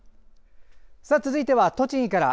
続いては栃木から。